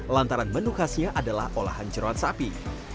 lantaran menu khasnya adalah olahan jerawan sapi